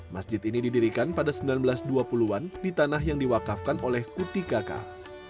masjid ini didirikan pada seribu sembilan ratus dua puluh an di tanah yang diwakafkan oleh kutika